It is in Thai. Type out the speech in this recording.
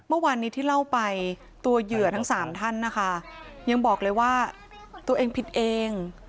เมื่อวานนี้ที่เล่าไปตัวเหยื่อทั้งสามท่านนะคะยังบอกเลยว่าตัวเองผิดเอง